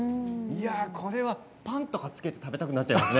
これはパンとかにつけて食べたくなっちゃいますね。